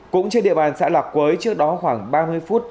cũng trên địa bàn xã lạc quới trước đó khoảng ba mươi phút